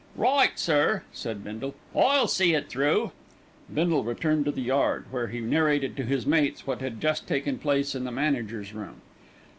"Right, sir," said Bindle; "I'll see it through." Bindle returned to the yard, where he narrated to his mates what had just taken place in the manager's room.